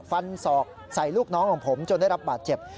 ศอกใส่ลูกน้องของผมจนได้รับบาดเจ็บ